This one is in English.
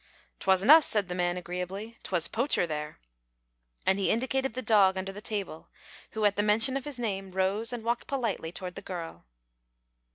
"'Twasn't us," said the man, agreeably, "'twas Poacher there," and he indicated the dog under the table, who, at the mention of his name, rose and walked politely toward the little girl.